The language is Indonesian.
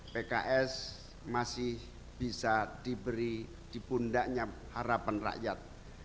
pks masih bisa diberi di pundaknya harapan rakyat